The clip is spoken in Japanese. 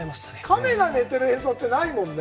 亀が寝てる映像って、ないもんね。